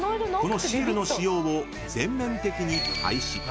［このシールの使用を全面的に廃止］